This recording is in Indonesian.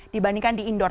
dibandingkan di indoor